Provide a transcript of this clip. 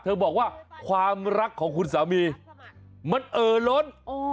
บอกว่าความรักของคุณสามีมันเอ่อล้น